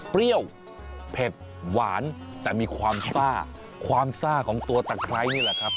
เปรี้ยวเผ็ดหวานแต่มีความซ่าความซ่าของตัวตะไคร้นี่แหละครับ